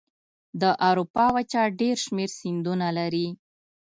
د اروپا وچه ډېر شمیر سیندونه لري.